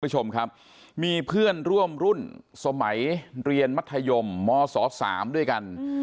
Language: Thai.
คุณผู้ชมครับมีเพื่อนร่วมรุ่นสมัยเรียนมัธยมมศ๓ด้วยกัน